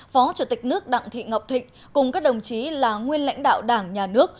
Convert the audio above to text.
phó chủ tịch nước đặng thị ngọc thịnh cùng các đồng chí là nguyên lãnh đạo đảng nhà nước